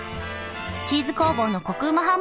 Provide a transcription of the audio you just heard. チーズ工房のコクうまハンバーグ。